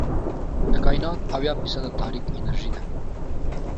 د کائنات اويا فیصده تاریک انرژي ده.